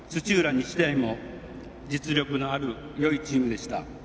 日大も実力のあるよいチームでした。